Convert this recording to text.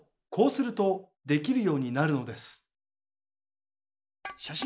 こうするとできるようになるのです。